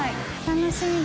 楽しみだ。